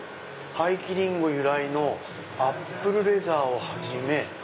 「廃棄りんご由来の『アップルレザー』を始め